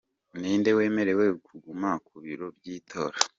Ninde wemerewe kuguma ku biro by’itora ?